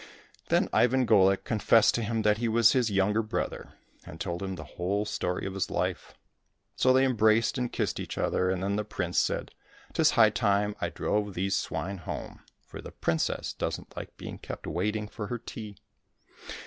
Then Ivan Golik confessed to him that he was his younger brother, and told him the whole story of his life. So they embraced and kissed each other, and then the prince said, " 'Tis high time I drove these swine home, for the princess doesn't like being kept waiting for her tea."